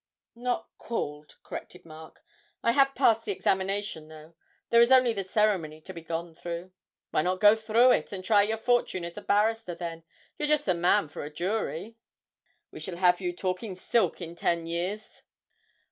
'Not called,' corrected Mark, 'I have passed the examination, though; there is only the ceremony to be gone through.' 'Why not go through it, and try your fortune as a barrister, then, you're just the man for a jury? We shall have you taking silk in ten years.'